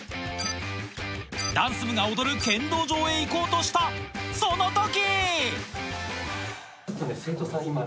ダンス部が踊る剣道場へ行こうとしたその時！